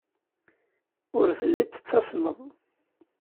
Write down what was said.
Ur telliḍ tettasmeḍ.